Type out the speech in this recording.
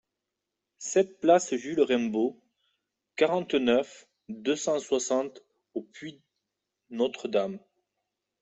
sept place Jules Raimbault, quarante-neuf, deux cent soixante au Puy-Notre-Dame